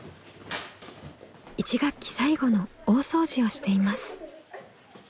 １学期最後の大掃除をしています。